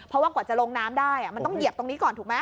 เพราะว่ากว่าจะลงน้ำได้มันต้องเหยียบตรงนี้ก่อนถูกไหม